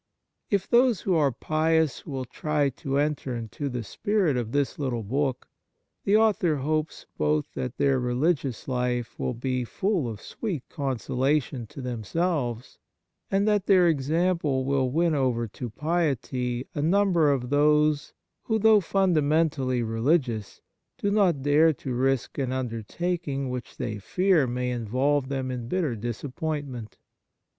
If those who are pious will try to enter into the spirit of this little book, 6 Preface the author hopes both that their re ligious life will be full of sweet con solation to themselves, and that their example will win over to piety a number of those, who, though funda mentally religious, do not dare to risk an undertaking which they fear may involve them in bitter disappointment.